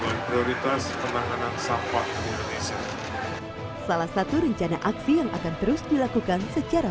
dan prioritas penahanan sampah indonesia salah satu rencana aksi yang akan terus dilakukan secara